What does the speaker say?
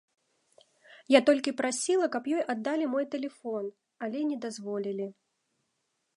Я толькі прасіла, каб ёй аддалі мой тэлефон, але не дазволілі.